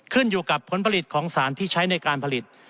ขึ้นอยู่กับผลผลิตของสารที่ใช้ในการผลิต